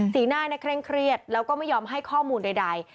สีหน้าเคร่งเครียดแล้วก็ไม่ยอมให้ข้อมูลใด